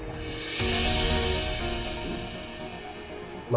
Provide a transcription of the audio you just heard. kenapa pak nino tidak bisa bergabung ke bu jessica